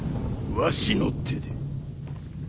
わしの手で。